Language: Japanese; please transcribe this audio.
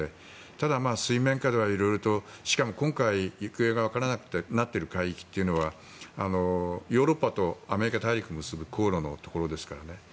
ただ水面下では色々としかも今回、行方がわからなくなっている海域はヨーロッパとアメリカ大陸を結ぶ航路のところですからね。